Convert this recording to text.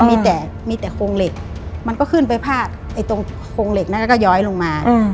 มีแต่มีแต่โครงเหล็กมันก็ขึ้นไปพาดตรงโครงเหล็กนั้นแล้วก็ย้อยลงมา